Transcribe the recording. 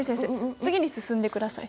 次に進んでください。